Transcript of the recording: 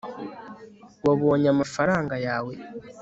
wabonye amafaranga yawe